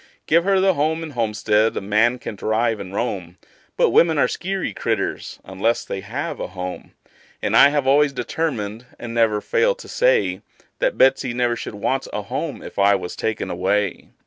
Give her the house and homestead a man can thrive and roam; But women are skeery critters, unless they have a home; And I have always determined, and never failed to say, That Betsey never should want a home if I was taken away.